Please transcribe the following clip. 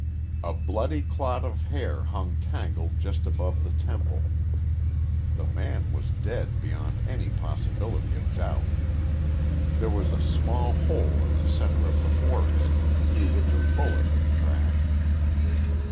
A bloody clot of hair hung tangled just above the temple. The man was dead beyond any possibility of doubt. There was a small hole in the center of the forehead through which a bullet had crashed.